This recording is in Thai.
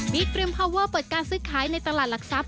มีเตรียมพาวเวอร์เปิดการซื้อขายในตลาดหลักทรัพย